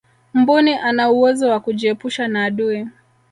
mbuni ana uwezo wa kujiepusha na adui